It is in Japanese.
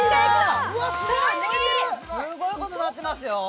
すごいことになってますよ。